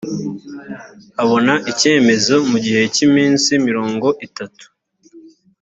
abona icyemezo mu gihe cy’ iminsi mirongo itatu